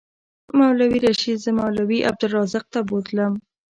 مولوي رشید زه مولوي عبدالرزاق ته بوتلم.